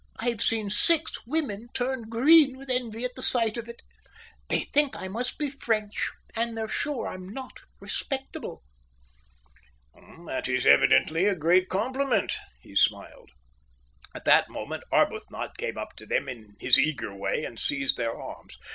I've seen six women turn green with envy at the sight of it. They think I must be French, and they're sure I'm not respectable." "That is evidently a great compliment," he smiled. At that moment Arbuthnot came up to them in his eager way and seized their arms.